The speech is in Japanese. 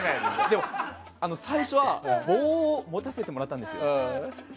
でも最初は棒を持たせてもらったんですよ。